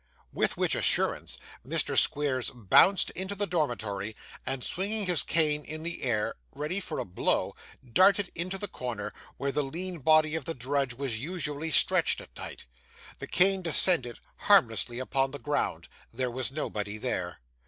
With which assurance, Mr. Squeers bounced into the dormitory, and, swinging his cane in the air ready for a blow, darted into the corner where the lean body of the drudge was usually stretched at night. The cane descended harmlessly upon the ground. There was nobody there.